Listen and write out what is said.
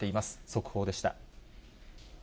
速報でした。